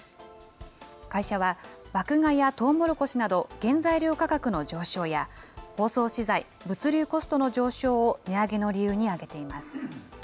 会社は、麦芽やとうもろこしなど原材料価格の上昇や、包装資材、物流コストの上昇を、値上げの理由に挙げています。